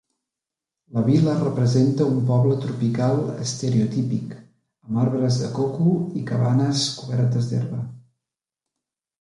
La vil·la representa un poble tropical estereotípic, amb arbres de coco i cabanes cobertes d'herba.